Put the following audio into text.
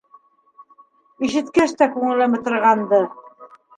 Ишеткәс тә күңелем ытырғанды.